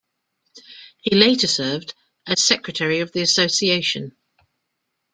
He later served as secretary of the Association.